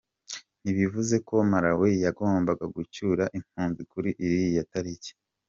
Ntibivuze ko Malawi yagombaga gucyura impunzi kuri iriya tariki.